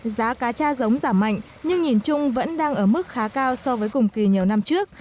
giá cá cha giống giảm mạnh nhưng nhìn chung vẫn đang ở mức khá cao so với cùng kỳ nhiều năm trước